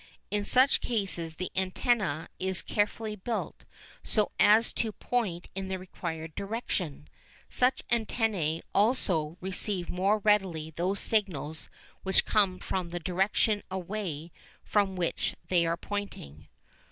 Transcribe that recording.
In such cases the antenna is carefully built, so as to point in the required direction. Such antennæ also receive more readily those signals which come from the direction away from which they are pointing.